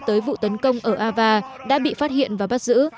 tới vụ tấn công ở ava đã bị phát hiện và bắt giữ